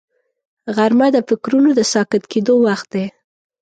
غرمه د فکرونو د ساکت کېدو وخت دی